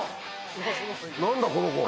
何だこの子。